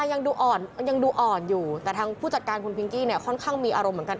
ยังดูอ่อนยังดูอ่อนอยู่แต่ทางผู้จัดการคุณพิงกี้เนี่ยค่อนข้างมีอารมณ์เหมือนกัน